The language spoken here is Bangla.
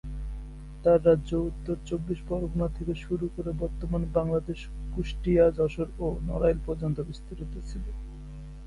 তার রাজ্য উত্তর চব্বিশ পরগনা থেকে শুরু করে, বর্তমান বাংলাদেশের কুষ্টিয়া, যশোর ও নড়াইল পর্যন্ত বিস্তৃত ছিল।